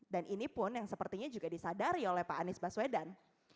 dan ini pun yang sepertinya juga disadari oleh pak anies baswedan